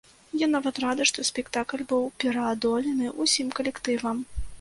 Я нават рады, што спектакль быў пераадолены ўсім калектывам.